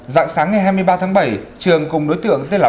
giọng sáng ngày hai mươi ba tháng bảy trường cùng đối tượng t l